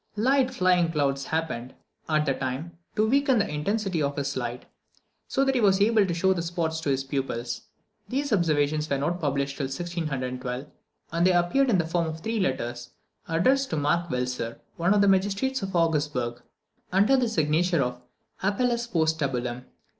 Light flying clouds happened, at the time, to weaken the intensity of his light, so that he was able to show the spots to his pupils. These observations were not published till January 1612; and they appeared in the form of three letters, addressed to Mark Velser, one of the magistrates of Augsburg, under the signature of Appelles post Tabulam.